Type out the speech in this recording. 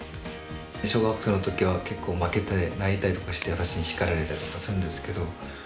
小学生の時は結構負けて泣いたりとかして私にしかられたりとかするんですけど。